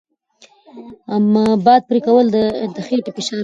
باد پرې کول د خېټې فشار کموي.